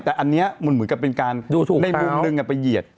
แต่อันนี้เหมือนกับเป็นการได้มุมนึงไปเหยียด